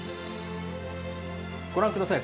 ご覧ください。